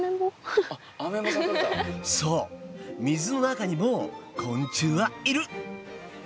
そう水の中にも昆虫はいる！